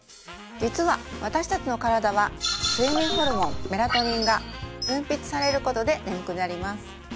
実は私達の体は睡眠ホルモンメラトニンが分泌されることで眠くなります